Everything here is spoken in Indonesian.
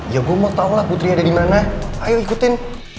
ya gue mau tau lah putri ada di mana ayo ikutin